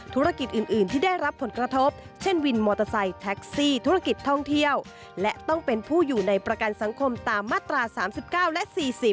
ธุรกิจอื่นที่ได้รับผลกระทบเช่นวินมอเตอร์ไซค์แท็กซี่ธุรกิจท่องเที่ยวและต้องเป็นผู้อยู่ในประกันสังคมตามมาตรา๓๙และ๔๐